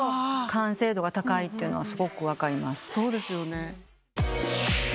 完成度が高いっていうのはすごく分かります。